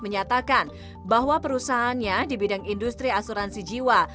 menyatakan bahwa perusahaannya di bidang industri asuransi jiwa